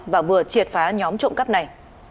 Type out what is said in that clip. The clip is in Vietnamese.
và vừa triệt phá nhóm trộm cắp này